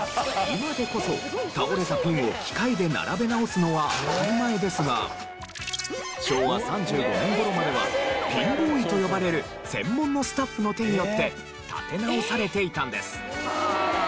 今でこそ倒れたピンを昭和３５年頃まではピンボーイと呼ばれる専門のスタッフの手によって立て直されていたんです。